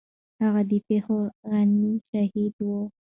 هغه د پیښو عیني شاهد و.